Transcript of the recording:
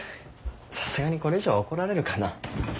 さすがにこれ以上は怒られるかな。